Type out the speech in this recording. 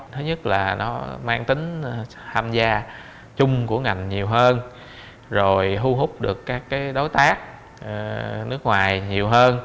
thứ nhất là nó mang tính tham gia chung của ngành nhiều hơn rồi thu hút được các đối tác nước ngoài nhiều hơn